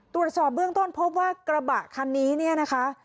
ตรวจสอบเบื้องต้นพบว่ากระบะคันนี้เนี่ยนะคะ